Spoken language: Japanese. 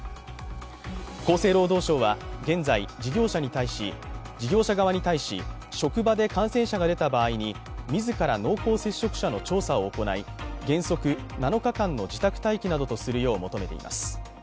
厚生労働省は現在、事業者側に対し職場で感染者が出た場合に自ら濃厚接触者の調査を行い原則７日間の自宅待機とするよう求めています